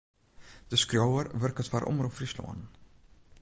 De skriuwer wurket foar Omrop Fryslân.